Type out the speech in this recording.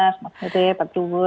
selamat sore pak trubo